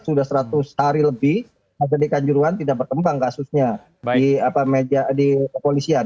sudah seratus hari lebih tragedi kanjuruhan tidak berkembang kasusnya di kepolisian